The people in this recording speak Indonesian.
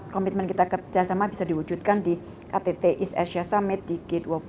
komitmen kita kerjasama bisa diwujudkan di ktt east asia summit di g dua puluh